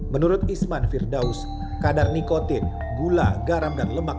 menurut isman firdaus kadar nikotin gula garam dan lemak